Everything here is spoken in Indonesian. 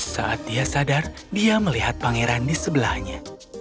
saat dia sadar dia melihat pangeran di sebelahnya